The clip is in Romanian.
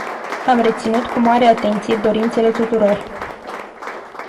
Am reținut cu mare atenție dorințele tuturor.